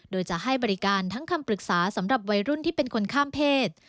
โดยจะให้บริการทั้งคำปรึกษาสำหรับวัยรุ่นที่เป็นคนข้ามเพศ